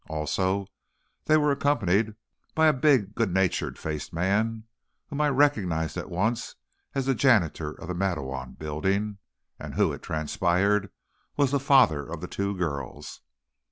Also, they were accompanied by a big, good natured faced man, whom I recognized at once as the janitor of the Matteawan Building, and who, it transpired, was the father of the two girls.